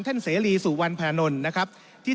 ท่านประธานก็เป็นสอสอมาหลายสมัย